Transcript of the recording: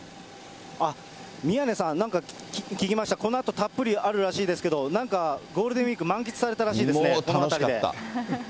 あっ、宮根さん、なんか聞きました、このあとたっぷりあるらしいですけど、なんか、ゴールデンウィーク、もう楽しかった。